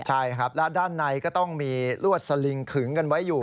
ใช่ครับและด้านในก็ต้องมีลวดสลิงขึงกันไว้อยู่